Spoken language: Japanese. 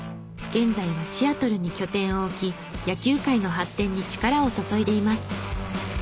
現在はシアトルに拠点を置き野球界の発展に力を注いでいます。